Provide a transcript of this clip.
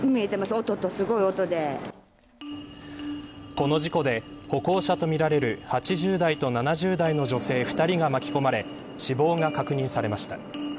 この事故で、歩行者とみられる８０代と７０代の女性２人が巻き込まれ死亡が確認されました。